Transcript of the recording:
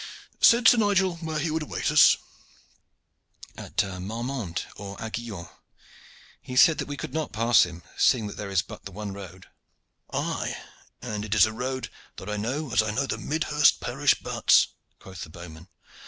Said Sir Nigel where he would await us?" "At Marmande or Aiguillon. He said that we could not pass him, seeing that there is but the one road." "Aye, and it is a road that I know as I know the Midhurst parish butts," quoth the bowman.